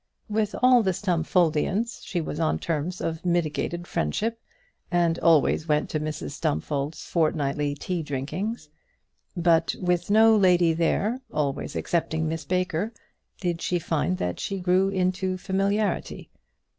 With all the Stumfoldians she was on terms of mitigated friendship, and always went to Mrs Stumfold's fortnightly tea drinkings. But with no lady there, always excepting Miss Baker, did she find that she grew into familiarity.